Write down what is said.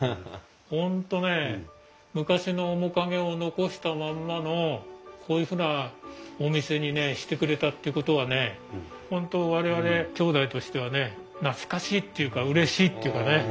本当ね昔の面影を残したまんまのこういうふうなお店にしてくれたっていうことはね本当我々兄弟としてはね懐かしいっていうかうれしいっていうかね。